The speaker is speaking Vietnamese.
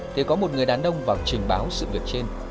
thì có một người đàn ông vào trình báo sự việc trên